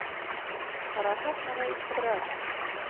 Ҡараһаҡ, малай, Ҡыҙырас!